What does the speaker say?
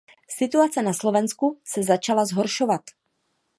Situace na Slovensku se začala zhoršovat.